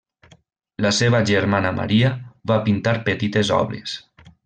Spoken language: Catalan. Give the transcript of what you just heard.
La seva germana Maria va pintar petites obres.